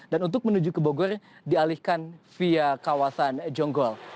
dan untuk menuju ke bogor dialihkan via kawasan jonggol